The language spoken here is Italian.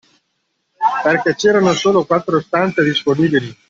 Perché c’erano solo quattro stanze disponibili